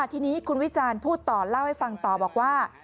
ทีนี้คุณวิจารณ์พูดต่อเล่าให้ฟังต่อบอกว่า